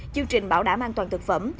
chương trình bảo đảm an toàn thực phẩm